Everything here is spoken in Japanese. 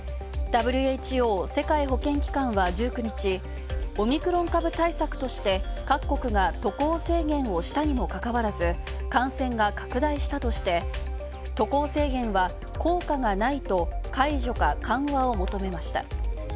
ＷＨＯ＝世界保健機関は１９日オミクロン株対策として各国が渡航制限をしたにもかかわらず感染が拡大したとして、渡航制限は効果がないと解除か緩和を求めました。